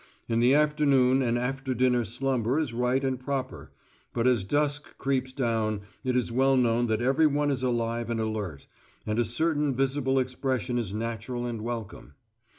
In the afternoon an after dinner slumber is right and proper, but as dusk creeps down it is well known that everyone is alive and alert, and a certain visible expression is natural and welcome.